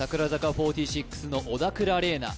４６の小田倉麗奈